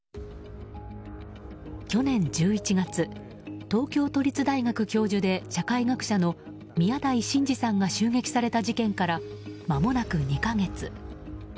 去年１１月、東京都立大学教授で社会学者の宮台真司さんが襲撃された事件からまもなく２か月。